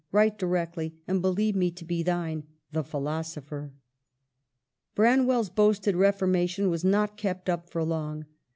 Write directly, and believe me to be thine, "The Philosopher." Branwell's boasted reformation was not kept up for long.